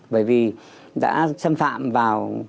bởi vì đã xâm phạm vào